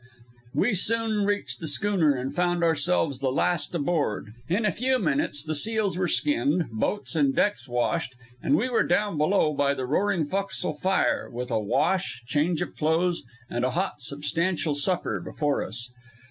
We soon reached the schooner and found ourselves the last aboard. In a few minutes the seals were skinned, boats and decks washed, and we were down below by the roaring fo'castle fire, with a wash, change of clothes, and a hot, substantial supper before us.